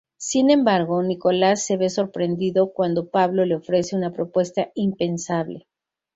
Sin embargo, Nicolás se ve sorprendido cuando Pablo le ofrece una propuesta impensable.